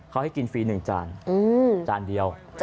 เขาให้กินฟรี๑จานจานเดียว